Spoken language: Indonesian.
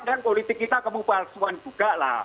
dan politik kita kemupasuan juga lah